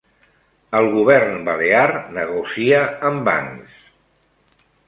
El govern balear negocia amb bancs